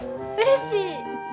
うれしい。